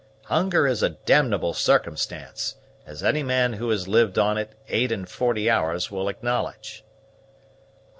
Hunger is a d ble circumstance, as any man who has lived on it eight and forty hours will acknowledge."